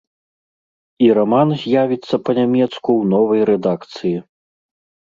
І раман з'явіцца па-нямецку ў новай рэдакцыі.